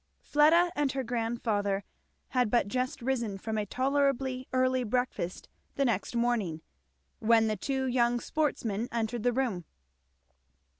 Fleda and her grandfather had but just risen from a tolerably early breakfast the next morning, when the two young sportsmen entered the room.